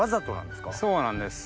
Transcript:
そうなんです。